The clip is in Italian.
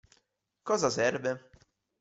Cosa serve?